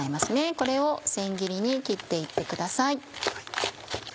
これを千切りに切って行ってください。